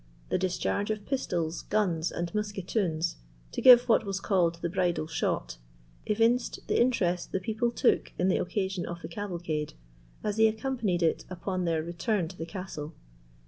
the discharge of pistols, guns, and musketoons, to give what was called the bridal shot, evinced the interest the people took in the occasion of the cavalcade, as they accompanied it upon their return to the castle.